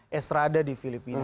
yang serada di filipina